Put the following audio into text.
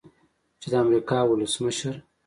چې د امریکا ولسمشر